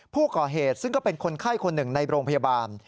ผู้ก่อเหตุซึ่งก็เป็นคนไข้คนหนึ่งในโรงพยาบาล